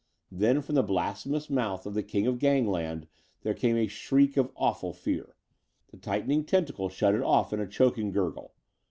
Then from the blasphemous mouth of the king of gangland there came a shriek of awful fear. The tightening tentacle shut it off in a choking gurgle.